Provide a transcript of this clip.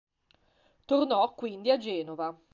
Tornò quindi a Genova.